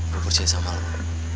gua percaya sama lu